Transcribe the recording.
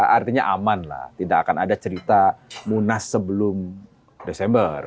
artinya aman lah tidak akan ada cerita munas sebelum desember